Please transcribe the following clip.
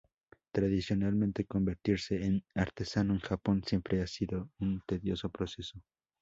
Tradicionalmente, convertirse en artesano en Japón siempre ha sido un tedioso proceso.